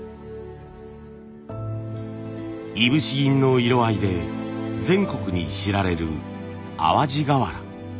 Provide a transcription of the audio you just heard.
いぶし銀の色合いで全国に知られる淡路瓦。